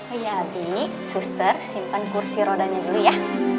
oh iya adik suster simpan kursi rodanya dulu ya